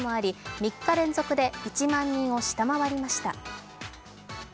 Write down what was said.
３日連続で１万人を下回りました。